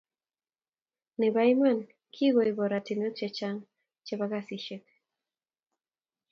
Nebo iman, kikoib oratinwek che chang chebo kasishek